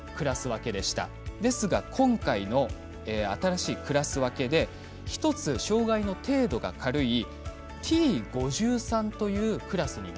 ですが今回の新しいクラス分けで１つ障がいの程度が軽いＴ５３というクラスになったんです。